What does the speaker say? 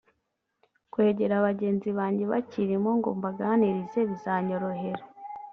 kwegera bagenzi banjye bakibirimo ngo mbaganirize bizanyorohera